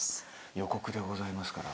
予告でございますから。